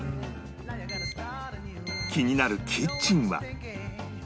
気になるキッチンは